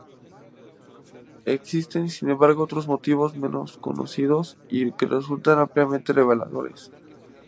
Existen, sin embargo, otros motivos menos conocidos y que resultan ampliamente reveladores.